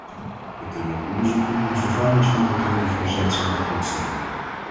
We kunnen ook onderzoek doen naar vervangingsmogelijkheden voor zeldzame grondstoffen.